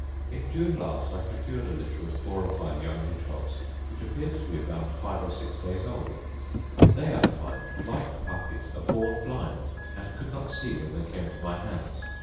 In June last I procured a litter of four or five young hedge hogs, which appeared to be about five or six days old; they, I find, like puppies, are born blind, and could not see when they came to my hands.